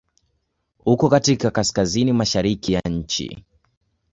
Uko katika Kaskazini mashariki ya nchi.